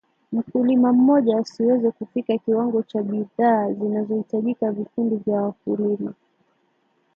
mkulima mmoja asiweze kufika kiwango cha bidhaa zinazohitajika Vikundi vya wakulima